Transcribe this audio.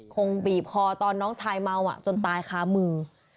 คงบีบคอตอนน้องชายเมาจนตายค้ามือ